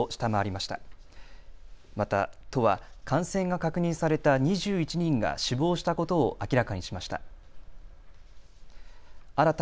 また都は感染が確認された２１人が死亡したことを明らかにしました。